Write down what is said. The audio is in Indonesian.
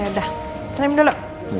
ya udah trim dulu